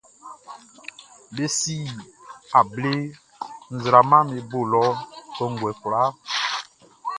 Be si able nzraamaʼm be bo lɔ kɔnguɛ kwlaa.